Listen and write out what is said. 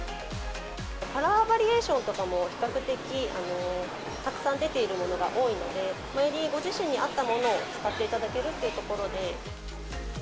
カラーバリエーションとかも、比較的たくさん出ているものが多いので、よりご自身に合ったものを使っていただけるっていうところで。